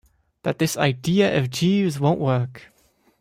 That this idea of Jeeves's won't work.